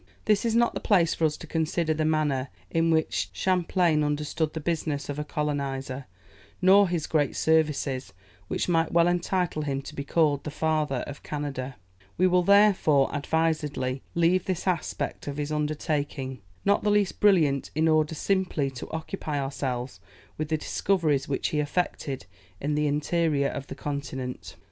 This is not the place for us to consider the manner in which Champlain understood the business of a colonizer, nor his great services, which might well entitle him to be called the father of Canada. We will, therefore, advisedly leave this aspect of his undertaking, not the least brilliant, in order simply to occupy ourselves with the discoveries which he effected in the interior of the continent.